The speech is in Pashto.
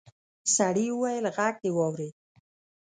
سړي وويل غږ دې واورېد.